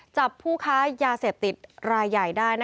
จับผู้ค้ายาเสพติดรายใหญ่ได้